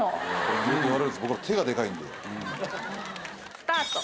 スタート。